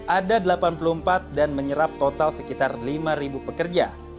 ada delapan puluh empat dan menyerap total sekitar lima pekerja